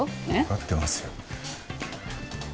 わかってますよ。